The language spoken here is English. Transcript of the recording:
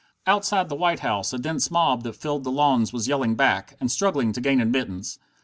Outside the White House a dense mob that filled the lawns was yelling back, and struggling to gain admittance.